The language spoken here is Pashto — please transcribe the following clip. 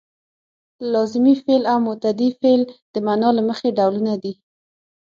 لازمي فعل او متعدي فعل د معنا له مخې ډولونه دي.